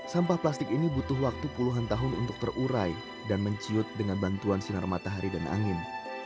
sampah plastik ini butuh waktu puluhan tahun untuk terurai dan menciut dengan bantuan sinar matahari dan angin